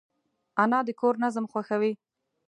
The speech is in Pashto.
انا د کور نظم خوښوي